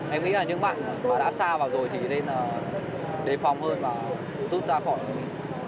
em nghĩ là những bạn mà đã xa vào rồi thì nên là đề phòng hơn và rút ra khỏi